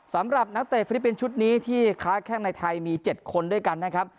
สำหรับนักเตะฟิลิปปินส์ชุดนี้ที่ค้าแข้งในไทยมี๗คนด้วยกันนะครับ